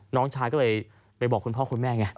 น้องชายก็เลยไปบอกคุณพ่อคุณแม่ไง